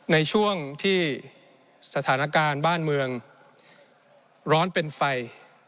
ในช่วงที่สถานการณ์บ้านเมืองร้อนเป็นไฟ